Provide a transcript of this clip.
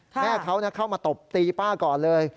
แม่เขาเข้ามาตบตีป้าก่อนเลย